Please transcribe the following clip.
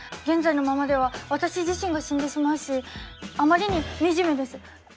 現在のままでは私自身が死んでしまうしあまりに惨めです。